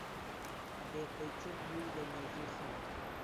بێپەیتر بووی لە مێژووی خەم